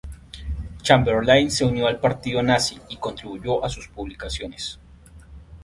Chamberlain se unió al Partido Nazi y contribuyó a sus publicaciones.